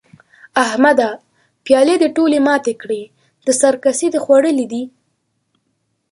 احمده؛ پيالې دې ټولې ماتې کړې؛ د سر کسي دې خوړلي دي؟!